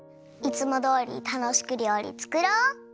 いつもどおりたのしくりょうりつくろう！